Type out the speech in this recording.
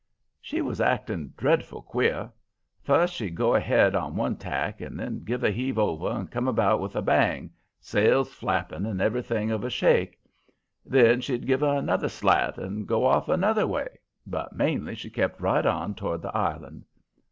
"She was acting dreadful queer. First she'd go ahead on one tack and then give a heave over and come about with a bang, sails flapping and everything of a shake; then she'd give another slat and go off another way; but mainly she kept right on toward the island.